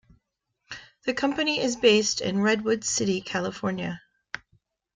The company is based in Redwood City, California.